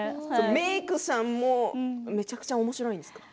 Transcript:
メークさんもめちゃくちゃおもしろいんですか。